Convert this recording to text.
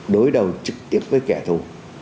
đối đầu trực tiếp với kẻ thù